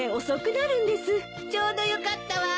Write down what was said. ちょうどよかったわ。